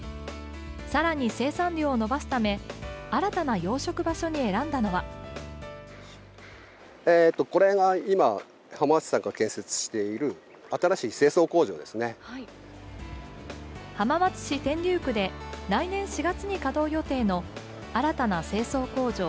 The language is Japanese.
更に生産量を伸ばすため新たな養殖場所に選んだのは浜松市天竜区で来年４月に稼働予定の新たな清掃工場